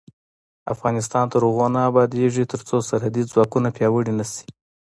افغانستان تر هغو نه ابادیږي، ترڅو سرحدي ځواکونه پیاوړي نشي.